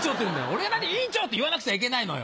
俺が何で「委員長！」って言わなくちゃいけないのよ。